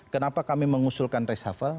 kenapa kami mengusulkan reshafel